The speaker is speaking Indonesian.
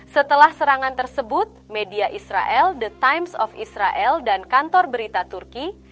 setelah serangan tersebut media israel the times of israel dan kantor berita turki